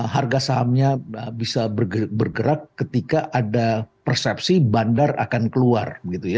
harga sahamnya bisa bergerak ketika ada persepsi bandar akan keluar